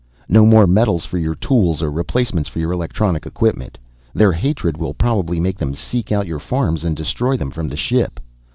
No more metals for your tools or replacements for your electronic equipment. Their hatred will probably make them seek out your farms and destroy them from the ship.